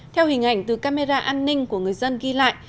theo hình ảnh từ camera an ninh của người dân ghi lại